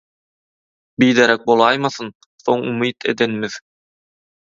Biderek bolaýmasyn soň umyt edenimiz?!